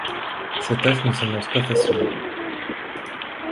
Sa tâche ne s'annonce pas facile.